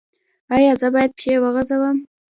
ایا زه باید پښې وغځوم؟